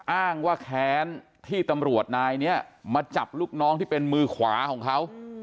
อ้างว่าแค้นที่ตำรวจนายนี้มาจับลูกน้องที่เป็นมือขวาของเขา